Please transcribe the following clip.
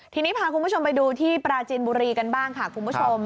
ทีนี้พาคุณผู้ชมไปดูที่ปราจินบุรีกันบ้างค่ะคุณผู้ชม